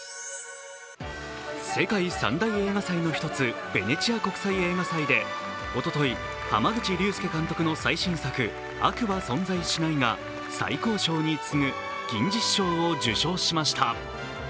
世界三大映画祭の一つ、ベネチア国際映画祭でおととい、濱口竜介監督の最新作「悪は存在しない」が最高賞に次ぐ銀獅子賞を受賞しました。